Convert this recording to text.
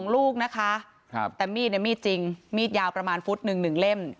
๒ลูกนะคะแต่มีดเนี่ยมีดมีดจริงมีดยาวประมาณฟุต๑เล่ม